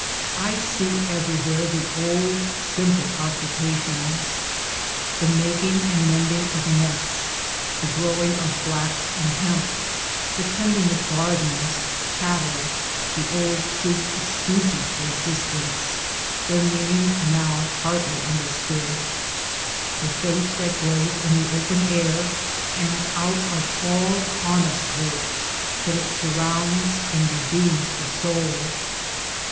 I see everywhere the old simple occupations — the making and mending of nets, the growing of flax and hemp, the tending of gardens, cattle — the old sweet excuses for existence, their meaning now partly understood — the faith that grows in the open air and out of all honest work till it surrounds and redeems the soul.